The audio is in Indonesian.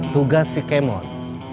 tugas si kemot